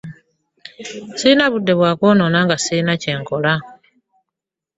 Sirina budde bwakonona nga sirina kyenkola.